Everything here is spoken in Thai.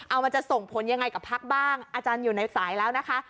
เอามันจะส่งผลยังไงกับพักบ้างอาจารย์อยู่ในสายแล้วนะคะ